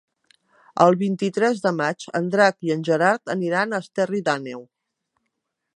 El vint-i-tres de maig en Drac i en Gerard aniran a Esterri d'Àneu.